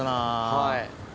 はい。